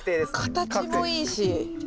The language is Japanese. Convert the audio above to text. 形もいいし。